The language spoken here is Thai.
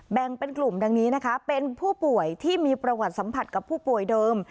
แบ่งเป็นกลุ่มดังนี้นะคะเป็นผู้ป่วยที่มีประวัติสัมผัสกับผู้ป่วยเดิม